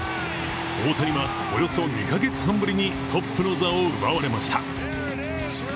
大谷はおよそ２カ月半ぶりにトップの座を奪われました。